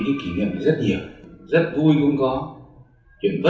vậy thì áp hành đại sứ sẽ có rất là nhiều câu chuyện thú vị